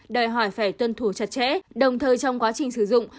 đòi hỏi phải tuân thủ chặt chẽ đồng thời trong quá trình sử dụng